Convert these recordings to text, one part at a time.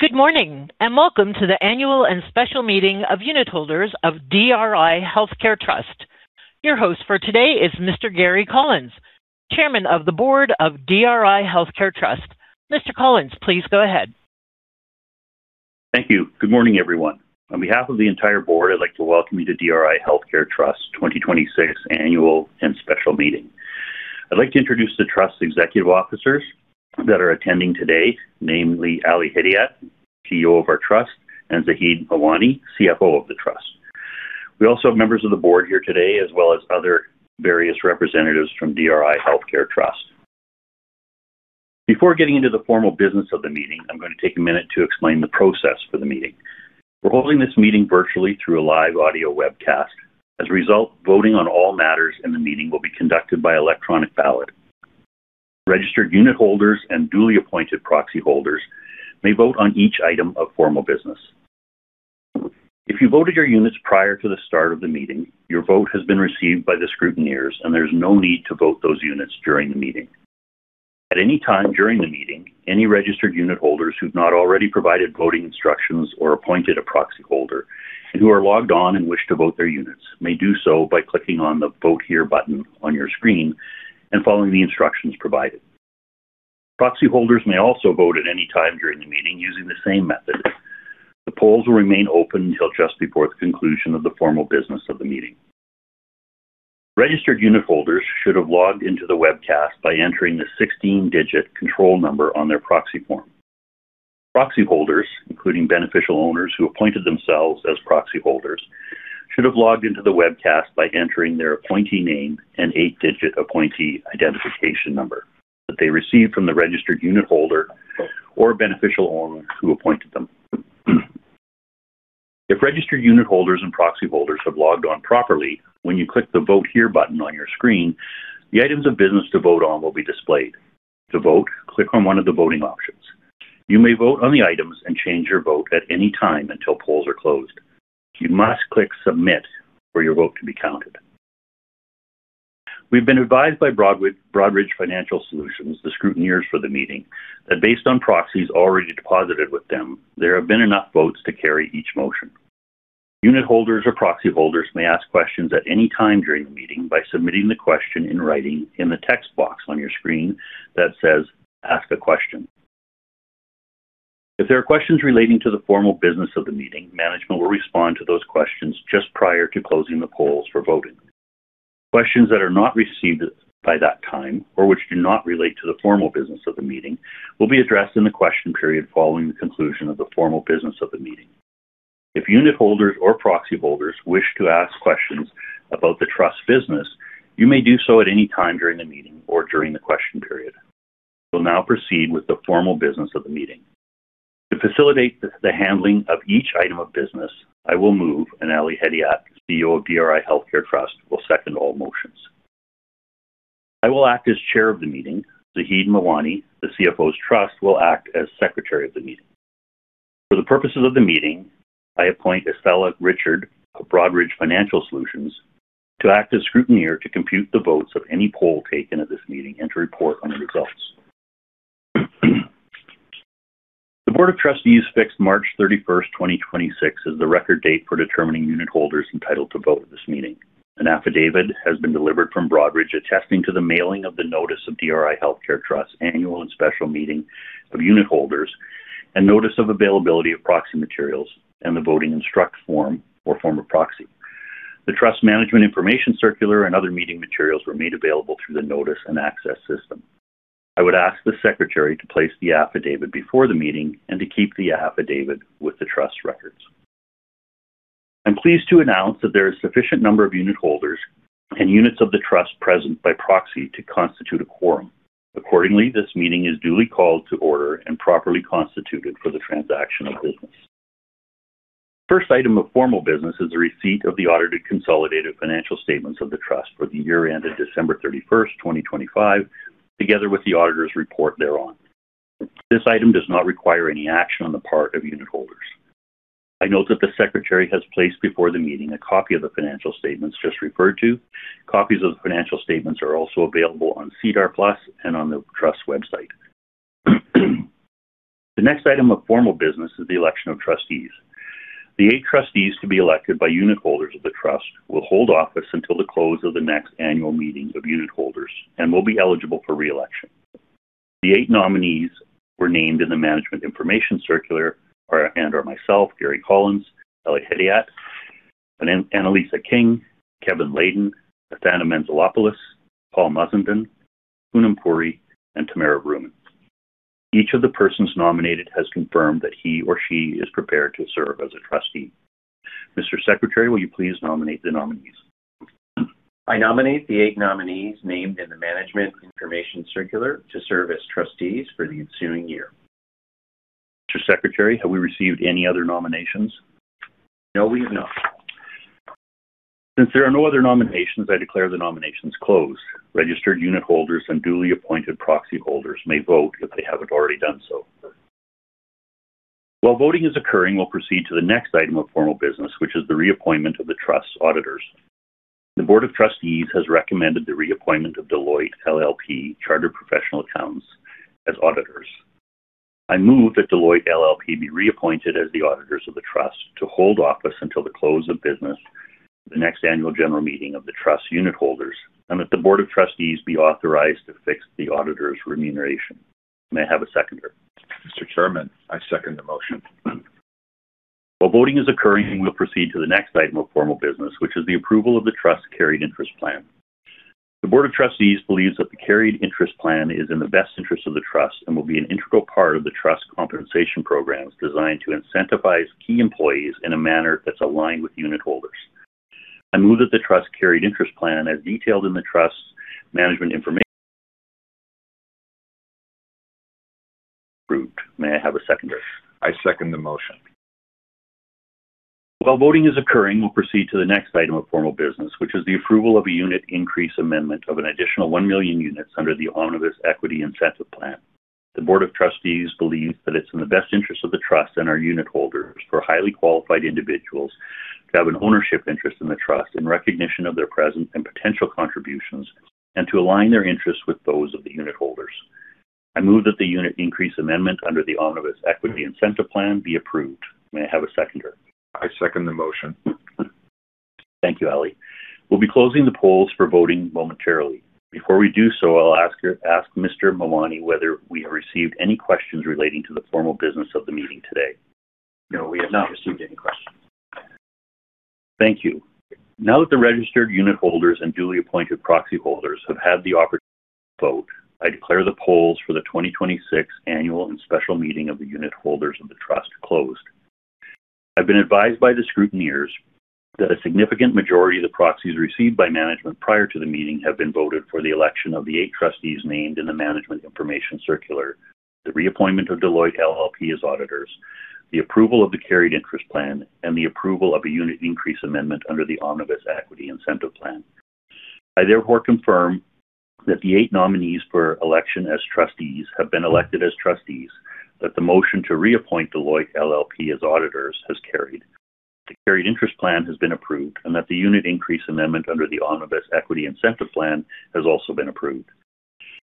Good morning, and welcome to the Annual and Special Meeting of Unitholders of DRI Healthcare Trust. Your host for today is Mr. Gary Collins, Chairman of the Board of DRI Healthcare Trust. Mr. Collins, please go ahead. Thank you. Good morning, everyone. On behalf of the entire Board, I'd like to welcome you to DRI Healthcare Trust 2026 Annual and Special Meeting. I'd like to introduce the Trust executive officers that are attending today, namely Ali Hedayat, CEO of our Trust, and Zaheed Mawani, CFO of the Trust. We also have members of the Board here today, as well as other various representatives from DRI Healthcare Trust. Before getting into the formal business of the meeting, I'm going to take a minute to explain the process for the meeting. We're holding this meeting virtually through a live audio webcast. As a result, voting on all matters in the meeting will be conducted by electronic ballot. Registered unitholders and duly appointed proxy holders may vote on each item of formal business. If you voted your units prior to the start of the meeting, your vote has been received by the scrutineers. There's no need to vote those units during the meeting. At any time during the meeting, any registered unitholders who've not already provided voting instructions or appointed a proxy holder and who are logged on and wish to vote their units may do so by clicking on the Vote Here button on your screen and following the instructions provided. Proxy holders may also vote at any time during the meeting using the same method. The polls will remain open until just before the conclusion of the formal business of the meeting. Registered unitholders should have logged into the webcast by entering the 16-digit control number on their proxy form. Proxy holders, including beneficial owners who appointed themselves as proxy holders, should have logged into the webcast by entering their appointee name and 8-digit appointee identification number that they received from the registered unitholder or beneficial owner who appointed them. If registered unitholders and proxy holders have logged on properly, when you click the Vote Here button on your screen, the items of business to vote on will be displayed. To vote, click on one of the voting options. You may vote on the items and change your vote at any time until polls are closed. You must click Submit for your vote to be counted. We've been advised by Broadridge Financial Solutions, the scrutineers for the meeting, that based on proxies already deposited with them, there have been enough votes to carry each motion. Unitholders or proxy holders may ask questions at any time during the meeting by submitting the question in writing in the text box on your screen that says Ask a question. If there are questions relating to the formal business of the meeting, management will respond to those questions just prior to closing the polls for voting. Questions that are not received by that time or which do not relate to the formal business of the meeting will be addressed in the question period following the conclusion of the formal business of the meeting. If unitholders or proxy holders wish to ask questions about the Trust business, you may do so at any time during the meeting or during the question period. We'll now proceed with the formal business of the meeting. To facilitate the handling of each item of business, I will move, and Ali Hedayat, CEO of DRI Healthcare Trust, will second all motions. I will act as Chair of the meeting. Zaheed Mawani, the CFO Trust, will act as secretary of the meeting. For the purposes of the meeting, I appoint Esthela Richard of Broadridge Financial Solutions to act as scrutineer to compute the votes of any poll taken at this meeting and to report on the results. The Board of Trustees fixed March 31st, 2026 as the record date for determining unitholders entitled to vote at this meeting. An affidavit has been delivered from Broadridge attesting to the mailing of the notice of DRI Healthcare Trust Annual and Special Meeting of Unitholders and notice of availability of proxy materials and the voting instruct form or form of proxy. The Trust management information circular and other meeting materials were made available through the notice and access system. I would ask the secretary to place the affidavit before the meeting and to keep the affidavit with the Trust records. I'm pleased to announce that there is sufficient number of unitholders and units of the Trust present by proxy to constitute a quorum. Accordingly, this meeting is duly called to order and properly constituted for the transaction of business. First item of formal business is the receipt of the audited consolidated financial statements of the Trust for the year ended December 31st, 2025, together with the auditor's report thereon. This item does not require any action on the part of unitholders. I note that the secretary has placed before the meeting a copy of the financial statements just referred to. Copies of the financial statements are also available on SEDAR+ and on the Trust website. The next item of formal business is the election of trustees. The eight trustees to be elected by unitholders of the Trust will hold office until the close of the next annual meeting of unitholders and will be eligible for re-election. The eight nominees were named in the management information circular are, and are myself, Gary Collins, Ali Hedayat, Annalisa King, Kevin Layden, Athana Mentzelopoulos, Paul Mussenden, Poonam Puri, and Tamara Vrooman. Each of the persons nominated has confirmed that he or she is prepared to serve as a trustee. Mr. Secretary, will you please nominate the nominees? I nominate the eight nominees named in the management information circular to serve as trustees for the ensuing year. Mr. Secretary, have we received any other nominations? No, we have not. Since there are no other nominations, I declare the nominations closed. Registered unitholders and duly appointed proxy holders may vote if they haven't already done so. While voting is occurring, we'll proceed to the next item of formal business, which is the reappointment of the Trust auditors. The Board of Trustees has recommended the reappointment of Deloitte LLP Chartered Professional Accountants as auditors. I move that Deloitte LLP be reappointed as the auditors of the trust to hold office until the close of business the next Annual General Meeting of the trust unit holders, and that the Board of Trustees be authorized to fix the auditor's remuneration. May I have a seconder? Mr. Chairman, I second the motion. While voting is occurring, we'll proceed to the next item of formal business, which is the approval of the trust carried interest plan. The Board of Trustees believes that the carried interest plan is in the best interest of the trust and will be an integral part of the trust compensation programs designed to incentivize key employees in a manner that's aligned with unit holders. I move that the trust carried interest plan, as detailed in the trust management information. May I have a seconder? I second the motion. While voting is occurring, we'll proceed to the next item of formal business, which is the approval of a unit increase amendment of an additional 1 million units under the Omnibus Equity Incentive Plan. The Board of Trustees believes that it's in the best interest of the trust and our unit holders for highly qualified individuals to have an ownership interest in the trust in recognition of their present and potential contributions and to align their interests with those of the unit holders. I move that the unit increase amendment under the Omnibus Equity Incentive Plan be approved. May I have a seconder? I second the motion. Thank you, Ali. We'll be closing the polls for voting momentarily. Before we do so, I'll ask Mr. Mawani whether we have received any questions relating to the formal business of the meeting today. No, we have not received any questions. Thank you. Now that the registered unit holders and duly appointed proxy holders have had the opportunity to vote, I declare the polls for the 2026 Annual and Special Meeting of the Unitholders of the trust closed. I've been advised by the scrutineers that a significant majority of the proxies received by management prior to the meeting have been voted for the election of the eight trustees named in the Management Information Circular, the reappointment of Deloitte LLP as auditors, the approval of the Carried Interest Plan, and the approval of a unit increase amendment under the Omnibus Equity Incentive Plan. I therefore confirm that the eight nominees for election as trustees have been elected as trustees, that the motion to reappoint Deloitte LLP as auditors has carried, the carried interest plan has been approved, and that the unit increase amendment under the omnibus equity incentive plan has also been approved.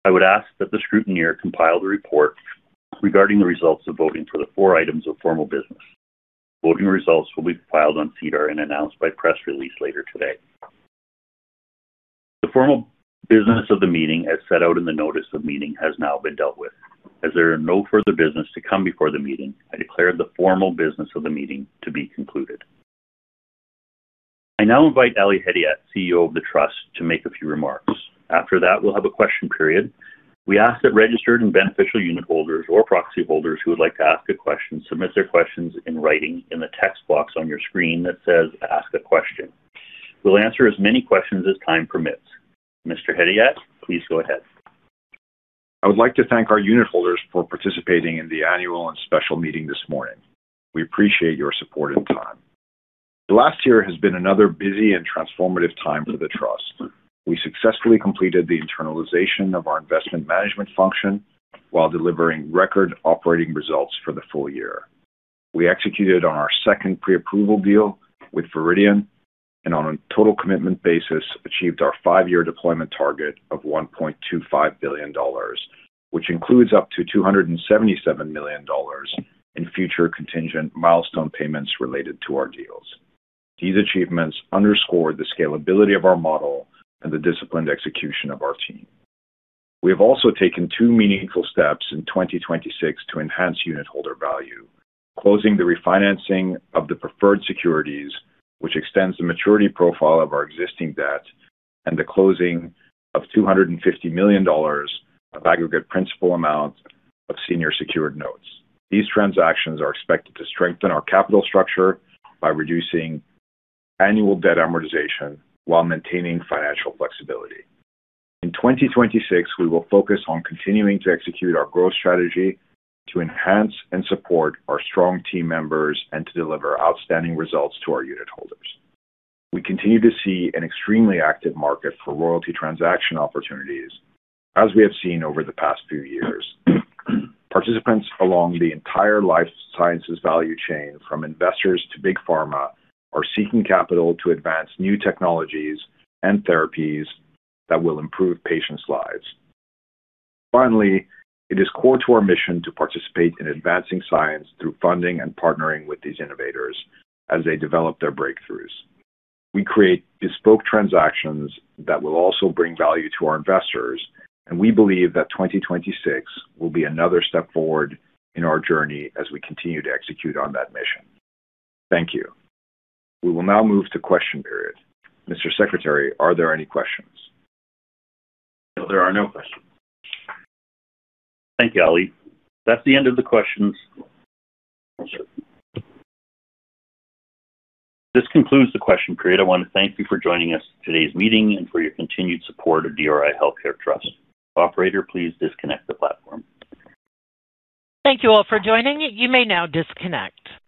I would ask that the scrutineer compile the report regarding the results of voting for the four items of formal business. Voting results will be filed on SEDAR and announced by press release later today. The formal business of the meeting, as set out in the notice of meeting, has now been dealt with. As there are no further business to come before the meeting, I declare the formal business of the meeting to be concluded. I now invite Ali Hedayat, CEO of the trust, to make a few remarks. After that, we'll have a question period. We ask that registered and beneficial unit holders or proxy holders who would like to ask a question submit their questions in writing in the text box on your screen that says, Ask a question. We'll answer as many questions as time permits. Mr. Hedayat, please go ahead. I would like to thank our unit holders for participating in the Annual and Special Meeting this morning. We appreciate your support and time. The last year has been another busy and transformative time for the trust. We successfully completed the internalization of our investment management function while delivering record operating results for the full year. We executed on our second pre-approval deal with Viridian and on a total commitment basis, achieved our five-year deployment target of $1.25 billion, which includes up to $277 million in future contingent milestone payments related to our deals. These achievements underscore the scalability of our model and the disciplined execution of our team. We have also taken two meaningful steps in 2026 to enhance unitholder value, closing the refinancing of the preferred securities, which extends the maturity profile of our existing debt and the closing of $250 million of aggregate principal amount of senior secured notes. These transactions are expected to strengthen our capital structure by reducing annual debt amortization while maintaining financial flexibility. In 2026, we will focus on continuing to execute our growth strategy, to enhance and support our strong team members, and to deliver outstanding results to our unitholders. We continue to see an extremely active market for royalty transaction opportunities. As we have seen over the past few years, participants along the entire life sciences value chain, from investors to big pharma, are seeking capital to advance new technologies and therapies that will improve patients' lives. Finally, it is core to our mission to participate in advancing science through funding and partnering with these innovators as they develop their breakthroughs. We create bespoke transactions that will also bring value to our investors, and we believe that 2026 will be another step forward in our journey as we continue to execute on that mission. Thank you. We will now move to question period. Mr. Secretary, are there any questions? No, there are no questions. Thank you, Ali. If that's the end of the questions. Yes, sir. This concludes the question period. I want to thank you for joining us in today's meeting and for your continued support of DRI Healthcare Trust. Operator, please disconnect the platform. Thank you all for joining. You may now disconnect.